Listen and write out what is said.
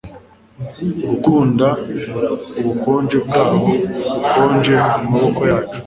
Gukunda ubukonje bwabo bukonje mumaboko yacu